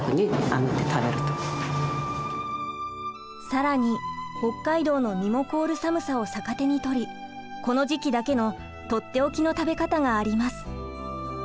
更に北海道の身も凍る寒さを逆手に取りこの時期だけのとっておきの食べ方があります。